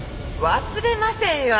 忘れませんよ！